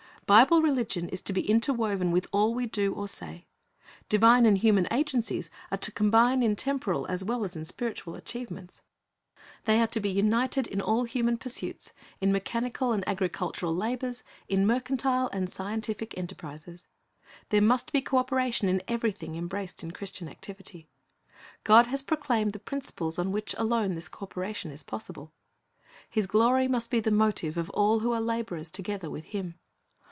Bible religion is to be interwoven with all we do or say. Divine and human agencies are to combine in temporal as well as in spiritual achievements. They are to be united lEx. 31:2 6 350 Christ's Object Lessons in all human pursuits, in mechanical and agricultural labors, in mercantile and scientific enterprises. There must be co operation in everything embraced in Christian activity. God has proclaimed the principles on which alone this co operation is possible. His glory must be the motive of all who are laborers together with Him.